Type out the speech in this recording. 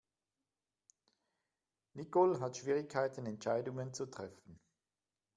Nicole hat Schwierigkeiten Entscheidungen zu treffen.